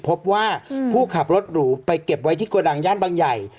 พบว่าผู้ขับรถหรูไปเก็บไว้ที่โกดังย่านบางใหญ่